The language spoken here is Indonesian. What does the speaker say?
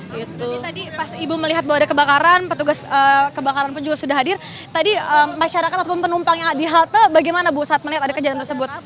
ini tadi pas ibu melihat bahwa ada kebakaran petugas kebakaran pun juga sudah hadir tadi masyarakat ataupun penumpang yang ada di halte bagaimana bu saat melihat ada kejadian tersebut